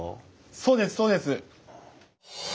そうですそうです！